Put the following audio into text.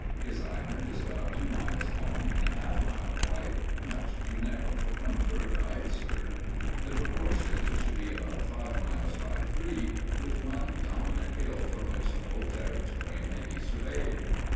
His island is about two miles long and a half mile wide much too narrow for comfort, I assert; the proportions should be about five miles by three, with one dominant hill from which the whole territory may be surveyed.